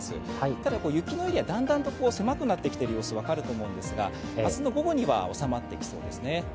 ただ、雪のエリアだんだんと狭くなってきている様子分かると思うんですが、明日の午後には収まってきそうですね。